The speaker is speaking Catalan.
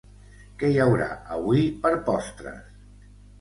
Què hi haurà avui per postres?